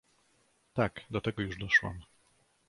"Tak, do tego już doszłam!"